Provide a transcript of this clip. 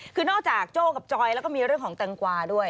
คือนอกจากโจ้กับจอยแล้วก็มีเรื่องของแตงกวาด้วย